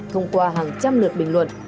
thông qua hàng trăm lượt bình luận